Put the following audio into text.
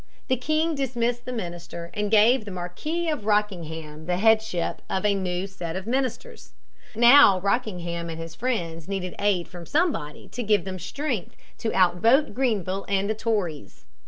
The king dismissed the minister, and gave the Marquis of Rockingham the headship of a new set of ministers. Now Rockingham and his friends needed aid from somebody to give them the strength to outvote Grenville and the Tories.